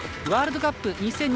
ワールドカップ